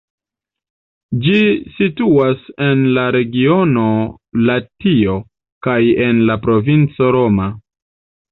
Ĝi situas en la regiono Latio kaj en la provinco Roma.